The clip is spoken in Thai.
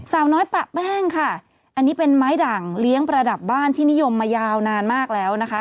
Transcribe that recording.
สาวน้อยปะแป้งค่ะอันนี้เป็นไม้ด่างเลี้ยงประดับบ้านที่นิยมมายาวนานมากแล้วนะคะ